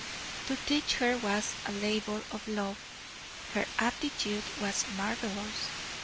To teach her was a labor of love. Her aptitude was marvelous.